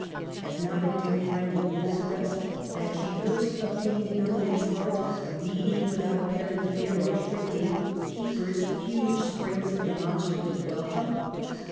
Has not a dear friend informed us that she first obtained Emily's heart by meeting, without ap parent fear or shrinking, Keeper's huge springs of demonstrative welcome